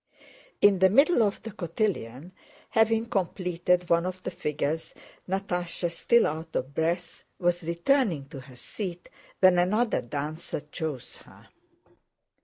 In the middle of the cotillion, having completed one of the figures, Natásha, still out of breath, was returning to her seat when another dancer chose her.